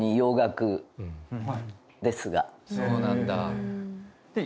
「そうなんだ」